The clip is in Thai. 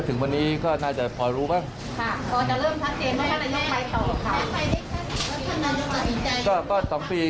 ถึงวันนี้ก็น่าจะพอรู้บ้าง